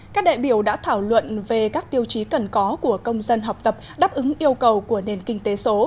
các đại biểu đã thảo luận về các tiêu chí cần có của công dân học tập đáp ứng yêu cầu của nền kinh tế số